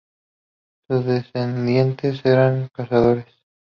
Sus descendientes eran cazadores.